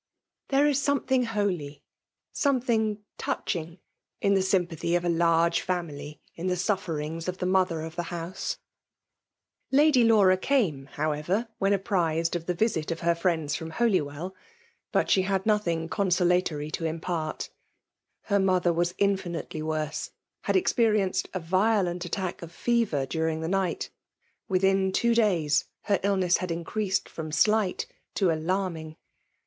There is soma* thing hdiy — something: touching^— in the.8js^ pathy of a large family in the suiSstiiigs of the mother of the house. 216 FK4fALE DOMIKATSON. Lady Lftursi CMne, however, when apprised ef the vttii of her friends from Holywell. But she had nothing consolatory to import. H^r mother was infinitely worse ; had Oxperieneed a violent attack of fever during the night. Within two days, her illness had increased from slight to alanning.